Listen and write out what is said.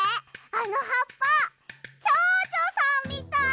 あのはっぱちょうちょさんみたい。